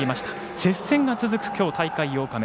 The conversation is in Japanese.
接戦が続く、きょう大会８日目。